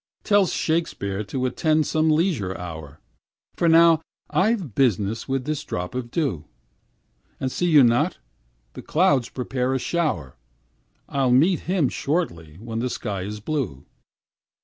Tell Shakespeare to attend some leisure hour, For now I've business with this drop of dew, And see you not, the clouds prepare a shower I'll meet him shortly when the sky is blue.